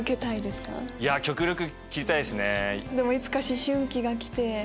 でもいつか思春期がきて。